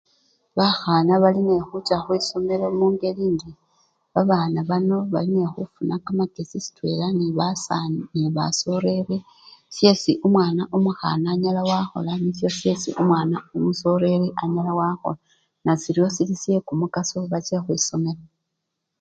Bakhana bali nekhucha khwisomelo mungeli indi babana bano bali nekhufuna kamakesi sitwela nebasani! nebasoleli, syesi omwana omukhana anyala wakhola nisyo syesi omwana omusoleli anyala wakhola, nasiryo sili syekumukaso bache khwisomelo.